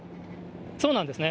そうなんですね。